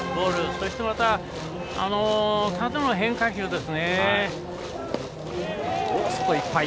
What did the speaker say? そしてまた、縦の変化球ですね。